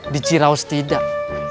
di ciraus tidak